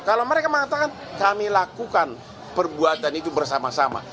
kalau mereka mengatakan kami lakukan perbuatan itu bersama sama